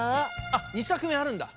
あっ２さくめあるんだ。